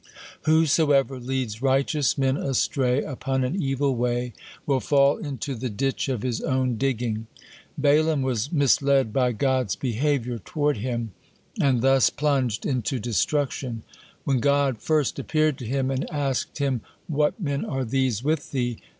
Whosoever leads righteous men astray upon an evil way, will fall into the ditch of his own digging!" Balaam was misled by God's behavior toward him, and thus plunged into destruction. When God first appeared to him and asked him, "What men are these with thee?"